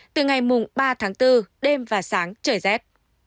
từ ngày mùng ba tháng bốn đêm và sáng trời rét